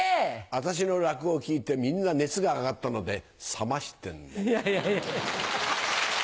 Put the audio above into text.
私の落語を聞いてみんな熱が上がったので冷ましてんの。